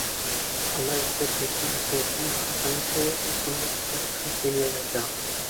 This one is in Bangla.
আমরা ঈশ্বর হইতে আসিয়াছি, আমাদিগকে পুনরায় ঈশ্বরে ফিরিয়া যাইতেই হইবে।